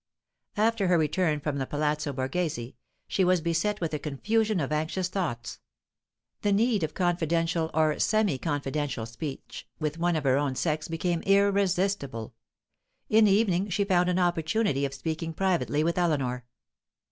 After her return from the Palazzo Borghese, she was beset with a confusion of anxious thoughts. The need of confidential or semi confidential speech with one of her own sex became irresistible. In the evening she found an opportunity of speaking privately with Eleanor.